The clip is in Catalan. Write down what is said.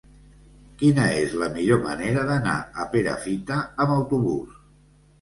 Quina és la millor manera d'anar a Perafita amb autobús?